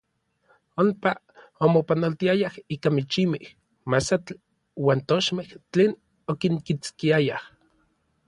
Onpa omopanoltiayaj ika michimej, masatl uan tochmej tlen okinkitskiayaj.